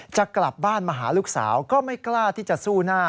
จะกลับบ้านมาหาลูกสาวก็ไม่กล้าที่จะสู้หน้า